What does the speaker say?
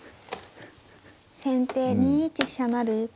先手２一飛車成。